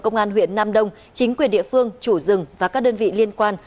công an huyện nam đông chính quyền địa phương chủ rừng và các đơn vị liên quan